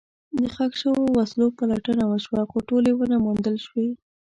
د ښخ شوو وسلو پلټنه وشوه، خو ټولې ونه موندل شوې.